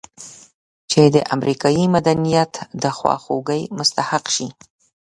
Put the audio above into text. چې د امریکایي مدنیت د خواخوږۍ مستحق شي.